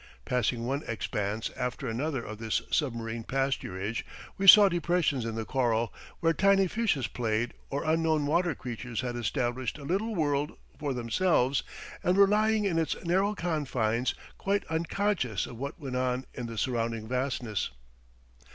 Passing one expanse after another of this submarine pasturage, we saw depressions in the coral, where tiny fishes played or unknown water creatures had established a little world for themselves and were living in its narrow confines quite unconscious of what went on in the surrounding vastness.